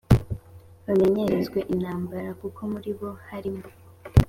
bamenyerezwe intambara kuko muri bo harimo